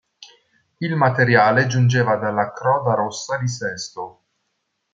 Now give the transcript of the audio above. Il materiale giungeva dalla Croda Rossa di Sesto.